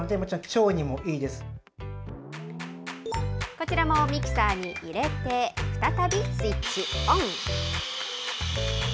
こちらもミキサーに入れて、再びスイッチオン。